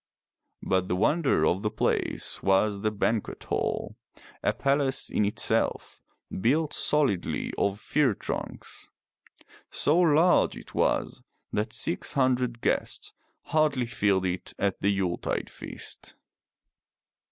But the wonder of the place was the banquet hall, a palace in itself, built solidly of fir trunks. So large it was, that six hundred guests hardly filled 341 MY BOOK HOUSE it at the Yule tide feast.